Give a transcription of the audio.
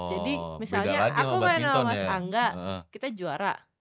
jadi misalnya aku main sama mas angga kita juara